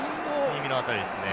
耳の辺りですね。